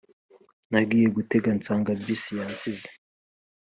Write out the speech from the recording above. Nagiye gutega nsanga bus yansize